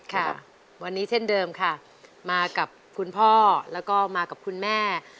ค่ะวันนี้เช่นเดิมค่ะ